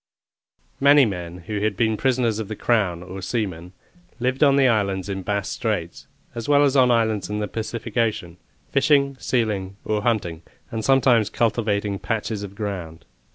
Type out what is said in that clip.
Many men who had been prisoners of the Crown, or seamen, lived on the islands in Bass' Straits, as well as on islands in the Pacific Ocean, fishing, sealing, or hunting, and sometimes cultivating patches of ground.